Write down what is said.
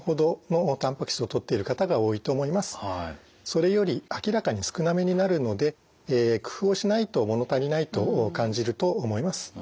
それより明らかに少なめになるので工夫をしないと物足りないと感じると思います。